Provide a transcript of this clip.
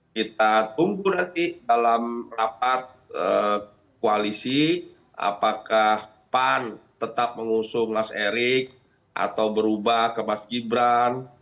kita tunggu nanti dalam rapat koalisi apakah pan tetap mengusung mas erik atau berubah ke mas gibran